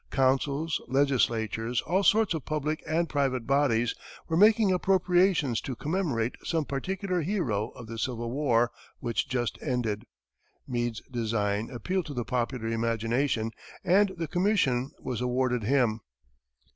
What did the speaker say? Councils, legislatures, all sorts of public and private bodies, were making appropriations to commemorate some particular hero of the Civil War, which was just ended; Meade's design appealed to the popular imagination, and the commission was awarded him.